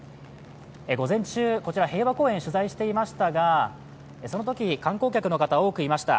午前中、こちら平和公園を取材していましたが、そのとき、観光客の方、多くいました。